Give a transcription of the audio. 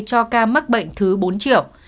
cho ca mắc bệnh thứ bốn triệu